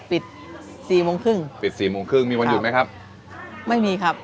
สี่โมงครึ่งปิดสี่โมงครึ่งมีวันหยุดไหมครับไม่มีครับ